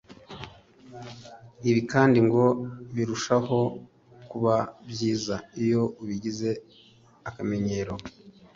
Ibi kandi ngo birushaho kuba byiza iyo ubigize akamenyero